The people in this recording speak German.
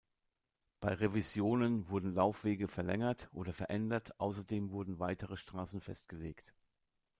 Bei Revisionen wurden Laufwege verlängert oder verändert, ausserdem wurden weitere Strassen festgelegt.